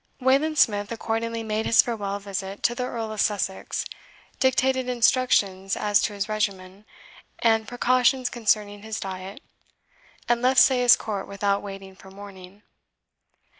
Wayland Smith accordingly made his farewell visit to the Earl of Sussex, dictated instructions as to his regimen, and precautions concerning his diet, and left Sayes Court without waiting for morning.